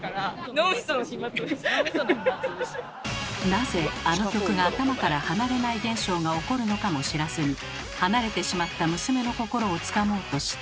なぜ「あの曲が頭から離れない現象」が起こるのかも知らずに離れてしまった娘の心をつかもうとして。